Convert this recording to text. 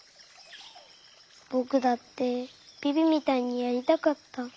ぼくだってビビみたいにやりたかった。